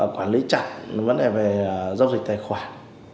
quản lý chặt vấn đề về giao dịch tài khoản